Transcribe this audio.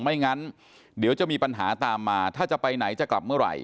ไม่งั้นเดี๋ยวจะมีปัญหาตามมาถ้าจะไปไหนจะกลับเมื่อไหร่